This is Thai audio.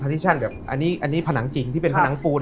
พาติชั่นแบบอันนี้อันนี้ผนังจริงที่เป็นผนังปูน